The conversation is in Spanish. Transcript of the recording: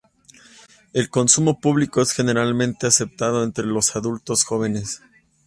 El consumo público es generalmente aceptado entre los adultos jóvenes.